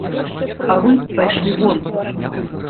А вы пайшлі вон!